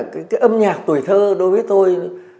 cái âm nhạc tuổi thơ đối với tôi